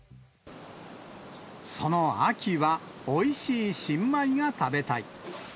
その秋はおいしい新米が食べたい。